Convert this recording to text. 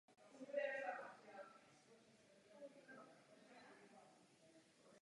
Jejich cílem bylo usnadnit přechod do posmrtného života.